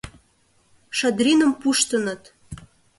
Шадриным пуштыныт.